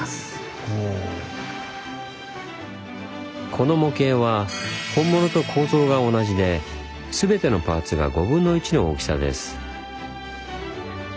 この模型は本物と構造が同じで全てのパーツが５分の１の大きさです。